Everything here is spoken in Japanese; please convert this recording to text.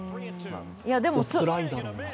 おつらいだろうなと。